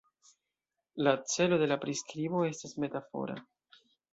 La celo de la priskribo estas metafora.